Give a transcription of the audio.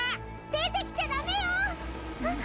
出てきちゃダメよ！あっ。